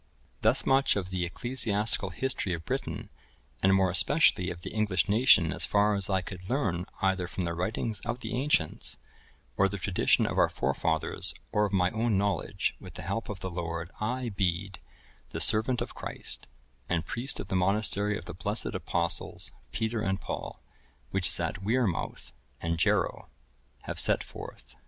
[Ibid.] ‐‐‐‐‐‐‐‐‐‐‐‐‐‐‐‐‐‐‐‐‐‐‐‐‐‐‐‐‐‐‐‐‐‐‐‐‐ Thus much of the Ecclesiastical History of Britain, and more especially of the English nation, as far as I could learn either from the writings of the ancients, or the tradition of our forefathers, or of my own knowledge, with the help of the Lord, I, Bede,(1041) the servant of Christ, and priest of the monastery of the blessed Apostles, Peter and Paul, which is at Wearmouth and Jarrow,(1042) have set forth.